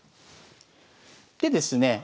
でですね